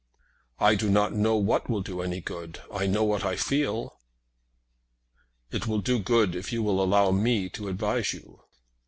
"I do not know what will do any good. I know what I feel." "It will do good if you will allow me to advise you."